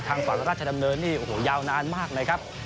ฝั่งราชดำเนินนี่โอ้โหยาวนานมากเลยครับ